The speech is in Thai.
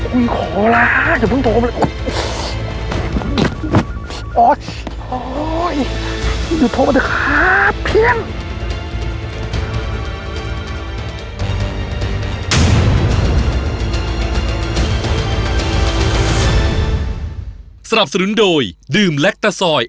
โอ้ยขอลาอย่าเพิ่งโทรมาเลยโอ้ย